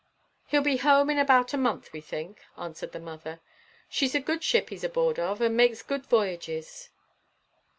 "He'll be home in about a month, we think," answered the mother. "She's a good ship he's aboard of, and makes good voyages."